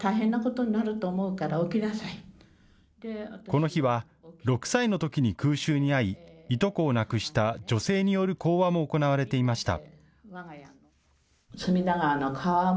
この日は６歳のときに空襲に遭いいとこを亡くした女性による講話も行われていました。